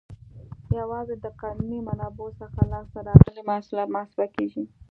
یوازې د قانوني منابعو څخه لاس ته راغلي محصولات محاسبه کیږي.